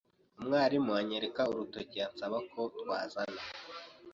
Umwarimu anyereka urutoki ansaba ko twazana.